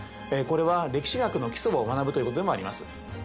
これは歴史学の基礎を学ぶということでもあります。